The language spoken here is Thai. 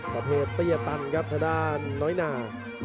ประเภทเตี้ยตันครับทางด้านน้อยนา